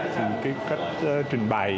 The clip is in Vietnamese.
thì cái cách trình bày